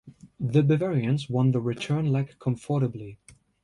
The Bavarians won the return leg comfortably.